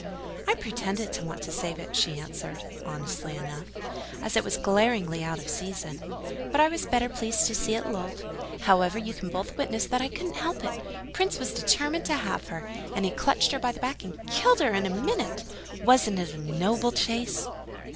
"I pretended to want to save it," she answered, honestly enough, "as it was so glaringly out of season; but I was better pleased to see it lolled. However, you can both witness that I couldn't help it: Prince was determined to have her; and he clutched her by the back, and killed her in a minute! Wasn't it a noble chase?"